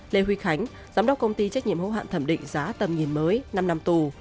lê huy khánh giám đốc công ty trách nhiệm hữu hạn thẩm định giá tầm nhìn mới năm năm tù